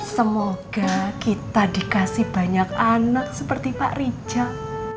semoga kita dikasih banyak anak seperti pak rijal